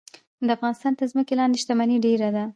د افغانستان تر ځمکې لاندې شتمني ډیره ده